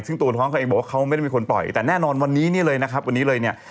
ซึ่งตัวท้องคนนี้เขาบอกว่าเขาไม่ได้มีคนปล่อยแต่แน่นอนวันนี้เลย